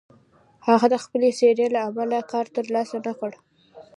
هغه د خپلې څېرې له امله کار تر لاسه نه کړ.